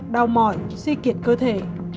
đau mỏi suy kiệt cơ thể